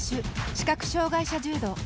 視覚障がい者柔道。